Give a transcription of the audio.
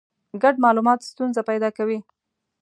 ګډ مالومات ستونزه پیدا کوي.